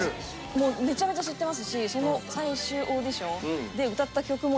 もうめちゃめちゃ知ってますし最終オーディションで歌った曲も知ってて。